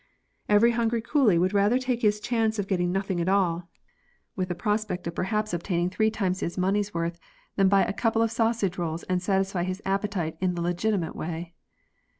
Every hungry coolie would rather take his chance of getting nothing at all, with the prospect of perhaps obtaining GAMES AND GAMBLING. 77 three times his money's worth, than buy a couple of sausage rolls and satisfy his appetite in the legitimate way.